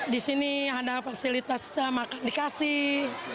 di sini ada fasilitas untuk makanan dikasih